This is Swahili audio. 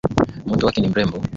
Mtoto wake ni mrembo.